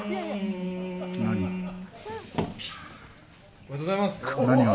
おめでとうございます。